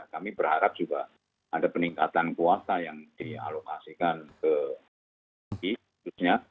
kami berharap juga ada peningkatan kuasa yang dialokasikan ke wg khususnya